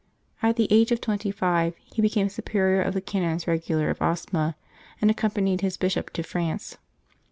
At the age of twenty five he became superior of the Canons Regular of Osma, and accompanied his Bishop to France.